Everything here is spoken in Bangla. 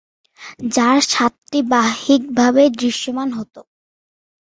যার সাতটি বাহ্যিকভাবে দৃশ্যমান হত।